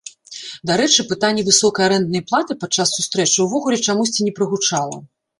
Дарэчы, пытанне высокай арэнднай платы падчас сустрэчы ўвогуле чамусьці не прагучала.